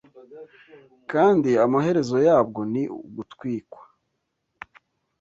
kandi amaherezo yabwo ni ugutwikwa